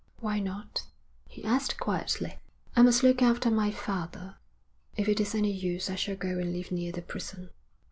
'Why not?' he asked quietly. 'I must look after my father. If it is any use I shall go and live near the prison.'